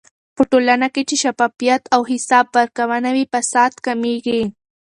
په ټولنه کې چې شفافيت او حساب ورکونه وي، فساد کمېږي.